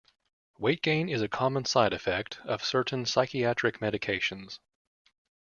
Weight gain is a common side-effect of certain psychiatric medications.